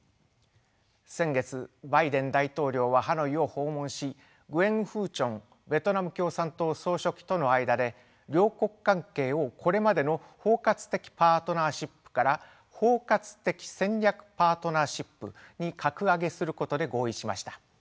先月バイデン大統領はハノイを訪問しグエン・フー・チョンベトナム共産党総書記との間で両国関係をこれまでの包括的パートナーシップから包括的戦略パートナーシップに格上げすることで合意しました。